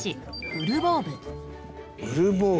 ウルボーブ。